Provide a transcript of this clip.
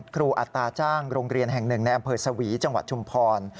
อัตราจ้างโรงเรียนแห่งหนึ่งในอำเภอสวีจังหวัดชุมพร